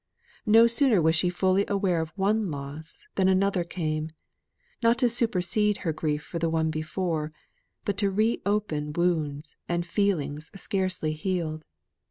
No sooner was she fully aware of one loss than another came not to supersede her grief for the one before, but to re open wounds and feelings scarcely healed.